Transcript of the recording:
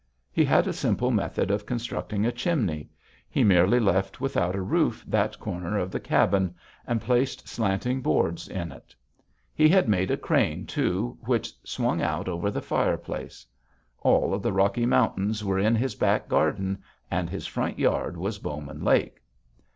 He had a simple method of constructing a chimney; he merely left without a roof that corner of the cabin and placed slanting boards in it. He had made a crane, too, which swung out over the fireplace. All of the Rocky Mountains were in his back garden, and his front yard was Bowman Lake.